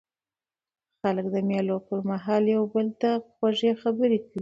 خلک د مېلو پر مهال یو بل ته خوږې خبري کوي.